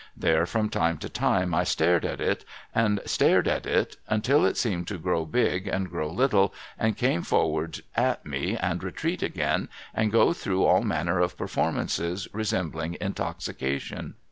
There from time to time I stared at it and stared at it, till it seemed to grow big and grow little, and came forward at me and retreat again, and go through all manner of performances resembling intoxication.